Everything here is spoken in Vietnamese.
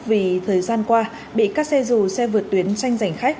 vì thời gian qua bị các xe dù xe vượt tuyến xanh giành khách